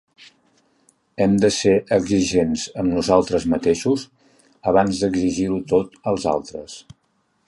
Hem de ser exigents amb nosaltres mateixos abans d’exigir-ho tot als altres.